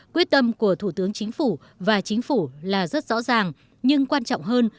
quyết tâm của thủ tướng chính phủ và chính phủ là rất rõ ràng nhưng quan trọng hơn